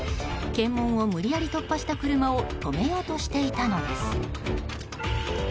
検問を無理やり突破した車を止めようとしていたのです。